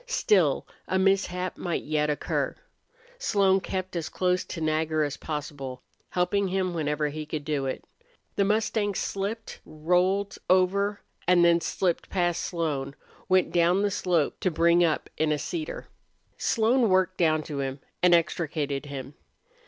Still, a mishap might yet occur. Slone kept as close to Nagger as possible, helping him whenever he could do it. The mustang slipped, rolled over, and then slipped past Slone, went down the slope to bring up in a cedar. Slone worked down to him and extricated him.